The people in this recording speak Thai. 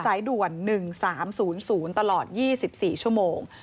สายด่วน๑๓๐๐ตลอด๒๔ชั่วโมง